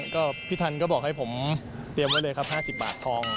ก็พี่ทันก็บอกให้ผมเตรียมไว้เลยครับ๕๐บาททอง